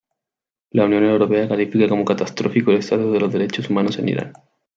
La Unión Europea califica como catastrófico el estatus de los derechos humanos en Irán.